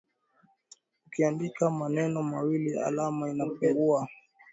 Ukiandika maneno mawili alama inapungua.